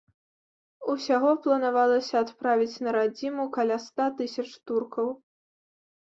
Усяго планавалася адправіць на радзіму каля ста тысяч туркаў.